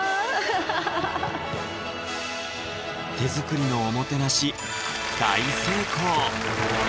ハハハハ手作りのおもてなし大成功！